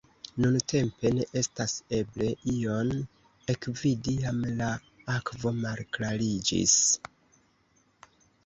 Nuntempe ne estas eble ion ekvidi, jam la akvo malklariĝis.